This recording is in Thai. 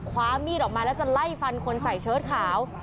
คว้ามีดออกมาแล้วจะไล่ฟันคนใส่เชิดขาว